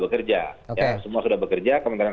bekerja ya semua sudah bekerja kementerian